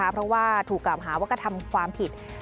เพราะว่าถูกกล่ามหาวักธรรมความผิด